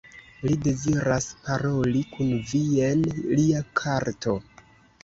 Li deziras paroli kun vi, jen lia karto.